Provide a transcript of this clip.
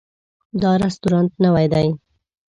دا رستورانت نوی ده